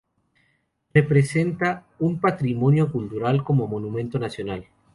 Representa un patrimonio cultural como monumento nacional.